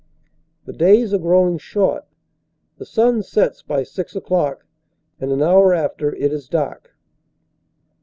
The days are growing short; the sun sets by six o clock, and an hour after it is dark.